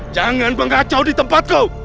jangan bengkacau di tempat kau